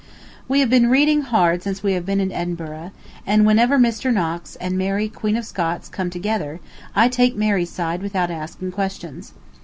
We have been reading hard since we have been in Edinburgh, and whenever Mr. Knox and Mary Queen of Scots come together, I take Mary's side without asking questions.